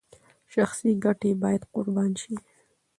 شخصي ګټې باید قربان شي.